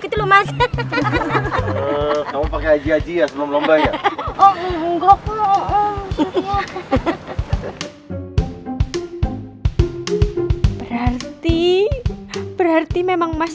gitu mas hahaha kamu pakai aja aja sebelum lomba ya oh enggak berarti berarti memang mas